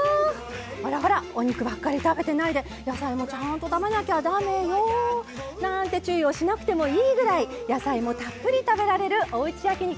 ほらほらお肉ばっかり食べてないで野菜もちゃんと食べなきゃダメよ！なんて注意をしなくてもいいぐらい野菜もたっぷり食べられるおうち焼き肉。